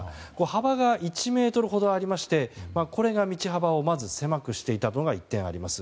幅が１ｍほどありましてこれが道幅を狭くしていたのが１点、あります。